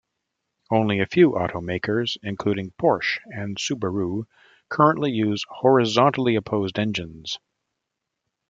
Only a few auto makers, including Porsche and Subaru, currently use horizontally opposed engines.